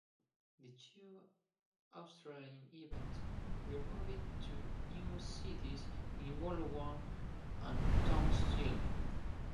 The two Australian events were moved to new cities in Wollongong and Townsville.